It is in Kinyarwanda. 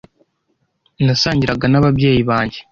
Nasangiraga n'ababyeyi banjye.